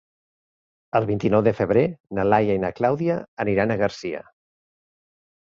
El vint-i-nou de febrer na Laia i na Clàudia aniran a Garcia.